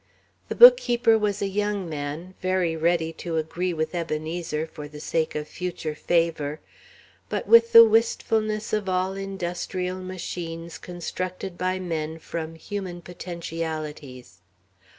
The bookkeeper was a young man, very ready to agree with Ebenezer for the sake of future favour, but with the wistfulness of all industrial machines constructed by men from human potentialities.